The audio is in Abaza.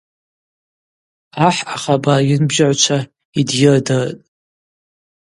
Ахӏ ахабар йынбжьагӏвчва йдйырдыртӏ.